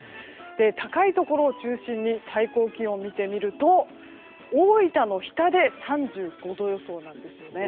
高いところを中心に最高気温を見てみると大分の日田で３５度予想なんですね。